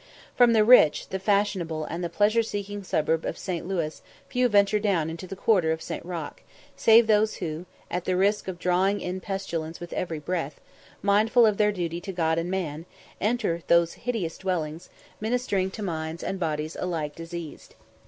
From the rich, the fashionable, and the pleasure seeking suburb of St. Louis few venture down into the quarter of St. Roch, save those who, at the risk of drawing in pestilence with every breath, mindful of their duty to God and man, enter those hideous dwellings, ministering to minds and bodies alike diseased.